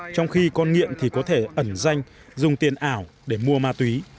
trong khi con nghiện thì có thể ẩn danh dùng tiền ảo để mua ma túy